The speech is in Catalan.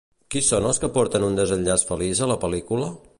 Qui són els que porten un desenllaç feliç a la pel·lícula?